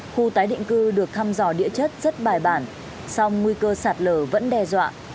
khu tái định cư được thăm dò địa chất rất bài bản song nguy cơ sạt lở vẫn đe dọa